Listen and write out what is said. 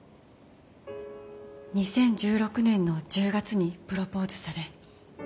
２０１６年の１０月にプロポーズされ承諾しました。